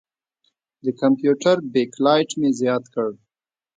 د کمپیوټر بیک لایټ مې زیات کړ.